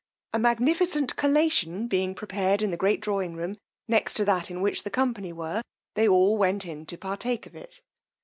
A magnificent collation being prepared in a great drawing room next to that in which the company were, they all went in to partake of it.